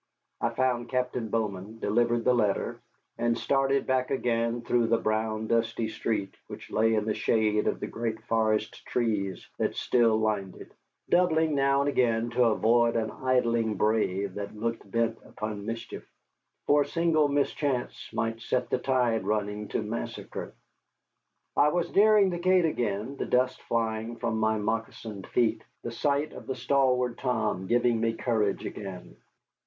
I found Captain Bowman, delivered the letter, and started back again through the brown, dusty street, which lay in the shade of the great forest trees that still lined it, doubling now and again to avoid an idling brave that looked bent upon mischief. For a single mischance might set the tide running to massacre. I was nearing the gate again, the dust flying from my moccasined feet, the sight of the stalwart Tom giving me courage again.